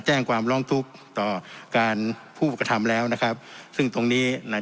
แจ้งความร้องทุกข์ต่อการผู้กระทำแล้วนะครับซึ่งตรงนี้